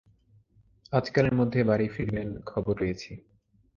আজকালের মধ্যে বাড়ি ফিরবেন খবর পেয়েছি।